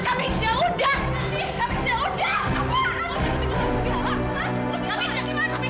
kamisya udah jatuhkan arman